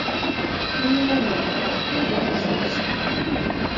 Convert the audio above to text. І невядома, адкуль ён узяўся.